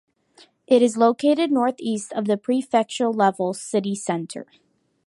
It is located northeast of the prefecture-level city centre.